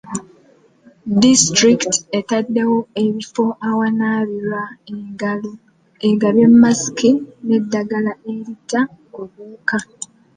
Disitulikiti etaddewo ebifo awanaabirwa engalo, egabye masiki n'eddagala eritta obuwuka.